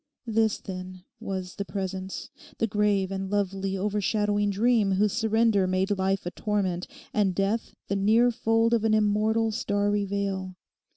This, then, was the presence, the grave and lovely overshadowing dream whose surrender made life a torment, and death the near fold of an immortal, starry veil.